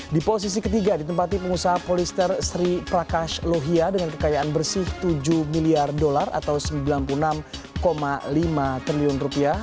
di posisi ketiga ditempati pengusaha polister sri prakash lohia dengan kekayaan bersih tujuh miliar dolar atau sembilan puluh enam lima triliun rupiah